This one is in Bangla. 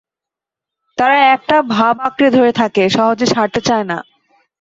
তারা একটা ভাব আঁকড়ে ধরে থাকে, সহজে ছাড়তে চায় না।